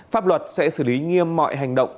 pháp luật sẽ xử lý nghiêm mọi hành động